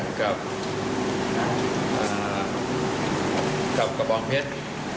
ส้มแข็งกับกระบองเพชร